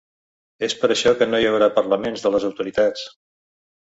És per això que no hi haurà parlaments de les autoritats.